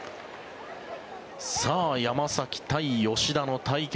山崎対吉田の対決。